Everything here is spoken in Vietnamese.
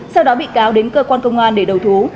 sau đó bị cáo đến cơ quan công an để đầu thú